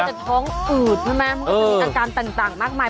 ท้องอืดใช่ไหมมันก็จะมีอาการต่างมากมาย